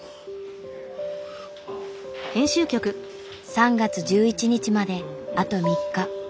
３月１１日まであと３日。